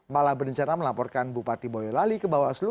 malah berencana melaporkan bupati boyolali ke bawah seluka